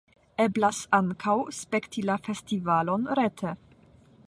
Eblas ankaŭ spekti la festivalon rete.